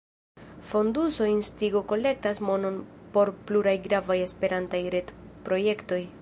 Fonduso Instigo kolektas monon por pluraj gravaj Esperantaj retprojektoj.